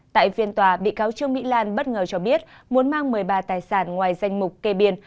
tại phiên tòa bị cáo trương mỹ lan bất ngờ cho biết muốn mang một mươi ba tài sản ngoài danh mục kê biên